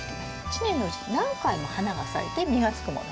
一年のうちに何回も花が咲いて実がつくもの。